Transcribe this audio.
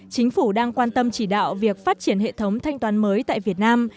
chính phủ đang quan tâm chỉ đạo việc phát triển hệ thống thanh toán mới tại việt nam